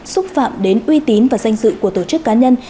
xúc phạm đến uy tín và danh dự của tổ chức cá nhân